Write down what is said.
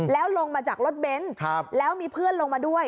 แล้วลงมาจากรถเบนท์แล้วมีเพื่อนลงมาด้วย